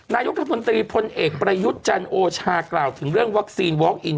นายกรัฐมนตรีพลเอกประยุทธ์จันโอชากล่าวถึงเรื่องวัคซีนวอล์อิน